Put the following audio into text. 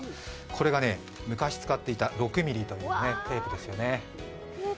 これが昔使っていた６ｍｍのテープですね。